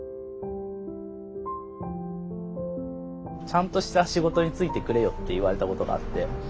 ちゃんとした仕事に就いてくれよって言われたことがあって。